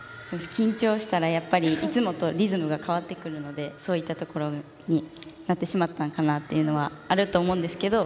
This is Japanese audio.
緊張したらいつもとリズムが変わってくるのでそういうことになってしまったのかなというのはあると思うんですけど。